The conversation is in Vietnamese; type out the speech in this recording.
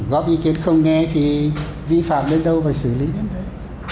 góp ý kiến không nghe thì vi phạm đến đâu và xử lý đến đấy